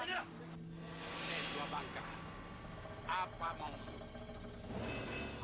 nen tua bangka apa maumu